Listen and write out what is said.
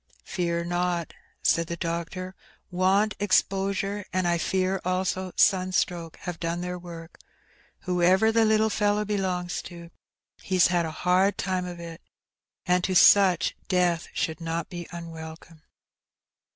Fear not,*' said the doctor; "want, exposure, and I fear also sunstroke, have done their work. Whoever the little fellow belongs to, he's had a hard time of it, and to such death should not be unwelcome.''